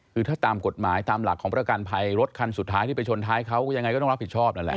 คือถ้าตามกฎหมายตามหลักของประกันภัยรถคันสุดท้ายที่ไปชนท้ายเขายังไงก็ต้องรับผิดชอบนั่นแหละ